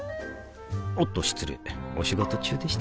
おっと失礼お仕事中でしたか